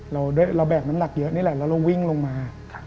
เราแบกน้ำหนักเยอะนี่แหละแล้วเราวิ่งลงมา